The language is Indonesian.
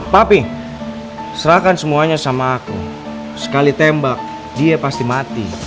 tapi serahkan semuanya sama aku sekali tembak dia pasti mati